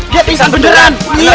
dia pingsan beneran